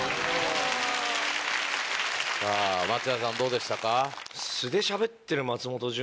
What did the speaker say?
さぁ松也さんどうでしたか？